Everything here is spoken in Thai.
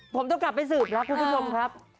ผมต้องกลับไปสืบแล้วคุณผู้ชมครับ